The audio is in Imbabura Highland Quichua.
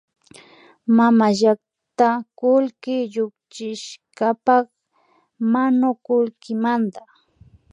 Mamallakta kullki llukshishkapak manukullkimanta